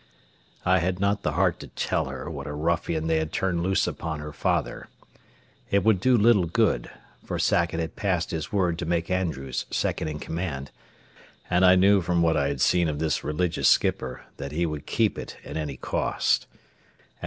I had not the heart to tell her what a ruffian they had turned loose upon her father. It would do little good, for Sackett had passed his word to make Andrews second in command, and I knew from what I had seen of this religious skipper, that he would keep it at any cost.